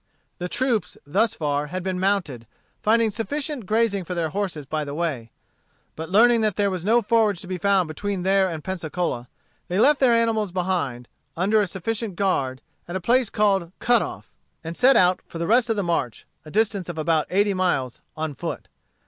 The troops, thus far, had been mounted, finding sufficient grazing for their horses by the way. But learning that there was no forage to be found between there and Pensacola, they left their animals behind them, under a sufficient guard, at a place called Cut off, and set out for the rest of the march, a distance of about eighty miles, on foot.